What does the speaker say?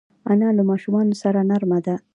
انا له ماشومانو سره نرمه ده